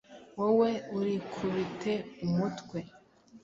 wowe urikubite umutwe